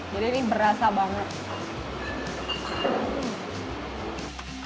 jadi ini berasa banget